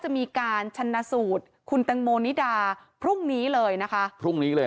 จะมีการชนะสูตรคุณแตงโมนิดาพรุ่งนี้เลยนะคะพรุ่งนี้เลย